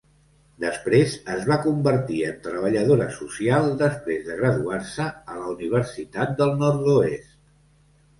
Després es va convertir en treballadora social després de graduar-se a la Universitat del nord-oest.